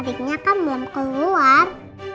adiknya kan belum keluar